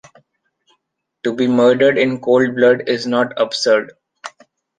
To be murdered in cold blood is not absurd.